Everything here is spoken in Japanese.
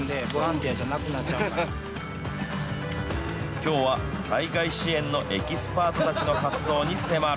きょうは災害支援のエキスパートたちの活動に迫る。